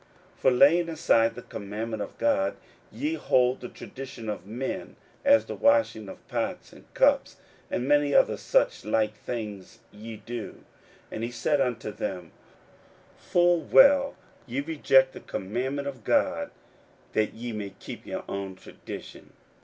41:007:008 For laying aside the commandment of God, ye hold the tradition of men, as the washing of pots and cups: and many other such like things ye do. 41:007:009 And he said unto them, Full well ye reject the commandment of God, that ye may keep your own tradition.